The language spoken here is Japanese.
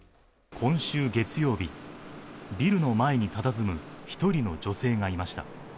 今週月曜日、ビルの前にたたずむ１人の女性がいました。